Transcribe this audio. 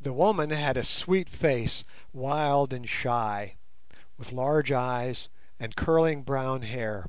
The woman had a sweet face, wild and shy, with large eyes and curling brown hair.